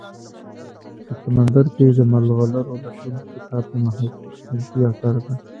په سمندر کي دملغلرولټون کتاب دمحمودحميدزي اثر دئ